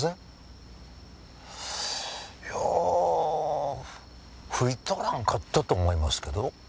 いや吹いとらんかったと思いますけど？